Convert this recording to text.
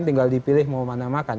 tinggal dipilih mau mana makan